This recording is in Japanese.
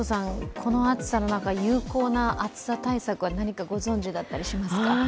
この暑さの中、有効な暑さ対策は何かご存じですか？